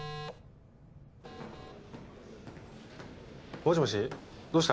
もしもしどうした？